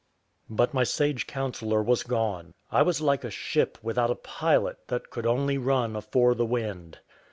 But my sage counsellor was gone; I was like a ship without a pilot, that could only run afore the wind.